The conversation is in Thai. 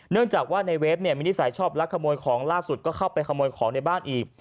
เนื่องจากว่าในเฟฟเนี่ยมีนิสัยชอบลักขโมยของล่าสุดก็เข้าไปขโมยของในบ้านอีก